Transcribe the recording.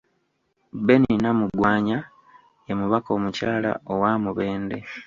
Benny Namugwanya, ye mubaka omukyala owa Mubende.